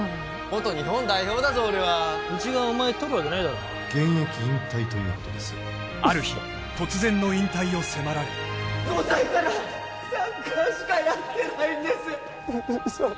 元日本代表だぞ俺は・うちがお前とるわけないだろ現役引退ということですある日５歳からサッカーしかやってないんです